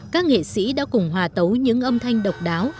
các nghệ sĩ đã cùng hòa tấu những âm thanh độc đáo